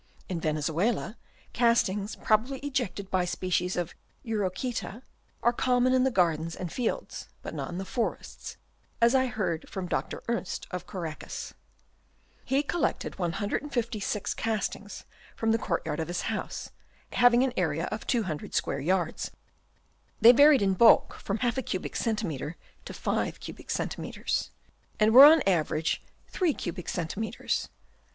In Venezuela, castings, probably ejected by species of Urochseta, are common in the gardens and fields, but not in the forests, as I hear from Dr. Ernst of Caracas. He collected 156 castings from the court yard of his house, having an area of 200 square yards. They varied in bulk from half a cubic centimeter to five cubic centimeters, and were on an average 124 HABITS OF WOKMS. Chap. II. three cubic centimeters.